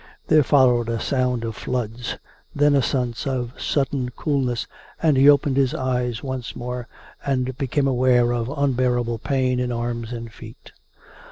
There followed a sound of floods; then a sense of sudden coolness, and he opened his eyes once more, and became aware of unbearable pain in arms and feet.